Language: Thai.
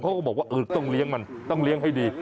เขาก็บอกว่าเออต้องเลี้ยงมันต้องเลี้ยงให้ดี